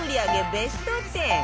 ベスト１０